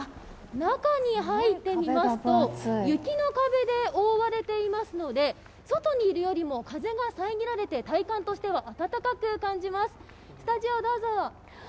中に入ってみますと、雪の壁で覆われていますので外にいるよりも風が遮られて体感としては暖かく感じます。